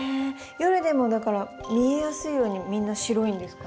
夜でもだから見えやすいようにみんな白いんですか？